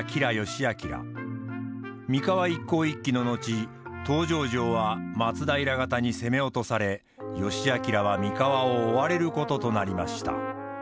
三河一向一揆の後東条城は松平方に攻め落とされ義昭は三河を追われることとなりました。